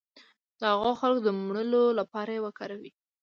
د هغو خلکو د مړولو لپاره یې وکاروي.